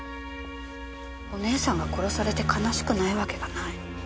お姉さんが殺されて悲しくないわけがない。